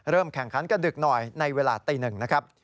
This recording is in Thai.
เริ่มแข่งขันกันดึกหน่อยในเวลาตี๑นะครับ